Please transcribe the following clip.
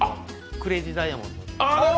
クレイジーダイヤモンド。